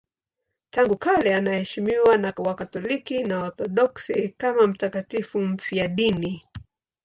Tangu kale anaheshimiwa na Wakatoliki na Waorthodoksi kama mtakatifu mfiadini.